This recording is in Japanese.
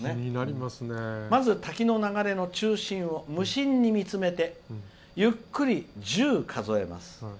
まず滝の流れの中心を無心に見つめてゆっくり１０数えます。